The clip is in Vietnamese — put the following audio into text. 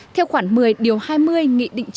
theo khoản một mươi điều hai mươi nghị định chín mươi